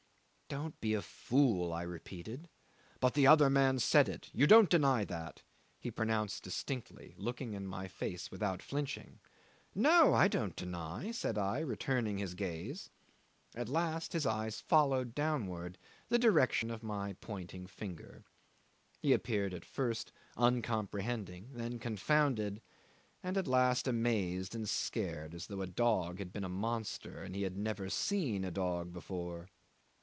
"Don't be a fool," I repeated. "But the other man said it, you don't deny that?" he pronounced distinctly, and looking in my face without flinching. "No, I don't deny," said I, returning his gaze. At last his eyes followed downwards the direction of my pointing finger. He appeared at first uncomprehending, then confounded, and at last amazed and scared as though a dog had been a monster and he had never seen a dog before.